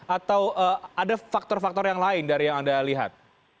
atau ada faktor faktor yang lain dari yang anda lihat